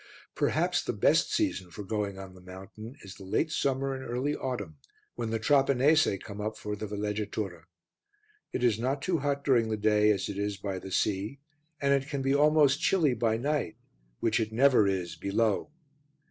Perhaps the best season for going on the mountain is the late summer and early autumn, when the Trapanese come up for the villegiatura. It is not too hot during the day, as it is by the sea, and it can be almost chilly by night, which it never is below.